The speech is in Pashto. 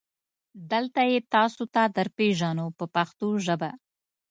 دلته یې تاسو ته درپېژنو په پښتو ژبه.